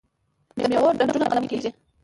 د میوو ډډونه قلم کیږي.